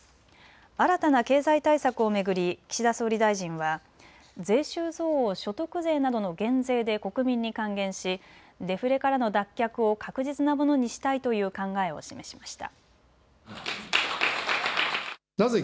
新たな経済対策を巡り岸田総理大臣は税収増を所得税などの減税で国民に還元しデフレからの脱却を確実なものにしたいという考えを示しました。